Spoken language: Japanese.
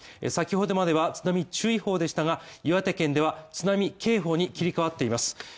先ほどまでは津波注意報でしたが、岩手県では津波警報に切り替わっています